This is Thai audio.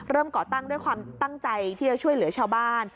ก่อตั้งด้วยความตั้งใจที่จะช่วยเหลือชาวบ้าน